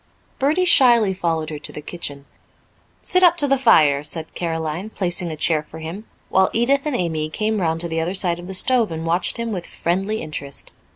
Bertie shyly followed her to the kitchen. "Sit up to the fire," said Caroline, placing a chair for him, while Edith and Amy came round to the other side of the stove and watched him with friendly interest.